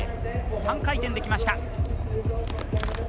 ３回転できました。